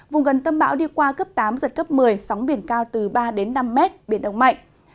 vùng gần tâm bão đi qua cấp tám giật cấp một mươi sóng biển cao từ ba đến năm mét biển động mạnh